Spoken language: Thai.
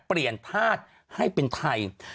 เปลี่ยนธาตุให้เป็นไทย